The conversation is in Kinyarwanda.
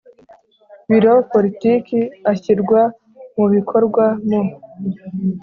Biro Politiki ashyirwa mu bikorwa mu